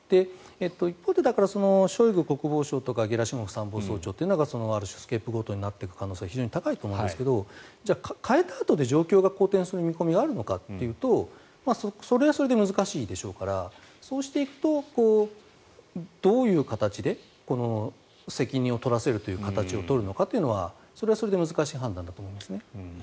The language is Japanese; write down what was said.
一方で、ショイグ国防相とかゲラシモフ参謀総長というのがある種、スケープゴートになっていく可能性は非常に高いと思うんですがじゃあ、代えたあとで条件が好転する見込みがあるかというとそれはそれで難しいでしょうからそうしていくとどういう形で責任を取らせるという形を取るかはそれはそれで難しい判断だと思いますね。